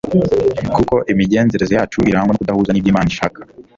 kuko imigenzereze yacu irangwa no kudahuza n'ibyo imana ishaka